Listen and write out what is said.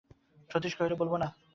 সতীশ কহিল, বলব না!